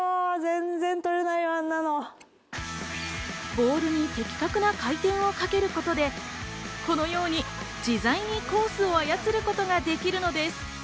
ボールに的確な回転をかけることでこのように自在にコースを操ることができるのです。